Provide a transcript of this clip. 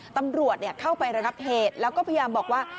ตำรวจเข้าไประงับเหตุแล้วก็พยายามบอกว่า